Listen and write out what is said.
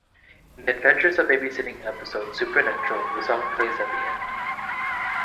In the "Adventures in Babysitting" episode of "Supernatural", the song plays at the end.